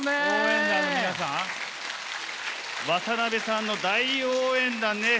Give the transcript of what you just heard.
渡辺さんの大応援団ね。